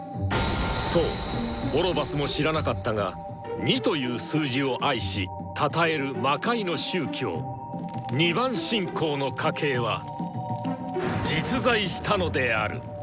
そうオロバスも知らなかったが「２」という数字を愛したたえる魔界の宗教「２番信仰」の家系は実在したのである！